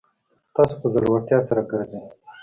تاسو په زړورتیا سره ګرځئ